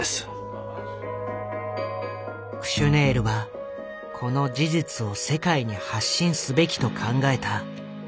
クシュネールはこの事実を世界に発信すべきと考えた。